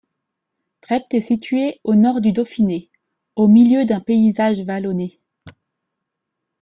Trept est situé au nord du Dauphiné, au milieu d'un paysage vallonné.